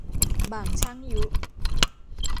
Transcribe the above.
บ่างช่างยุ